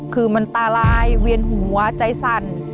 คือมันตาลายเวียนหัวใจสั่น